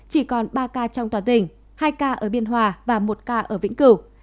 chỉ còn ba ca trong toàn tỉnh hai ca ở biên hòa và một ca ở vĩnh cửu